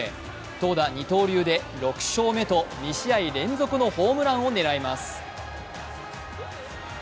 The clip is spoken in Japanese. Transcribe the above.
投打二刀流で６勝目と２試合連続のホームランを狙います。